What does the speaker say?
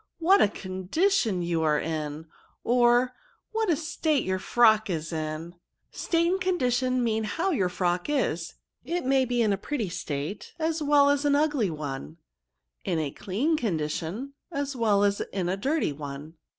what a condition you are in !' or, * what a state your frock is in !'"^^ State and condition mean how your frock is ; it may be in a pretty state, as well as in an ugly one ; in a clean condition, as well as in a dirty one."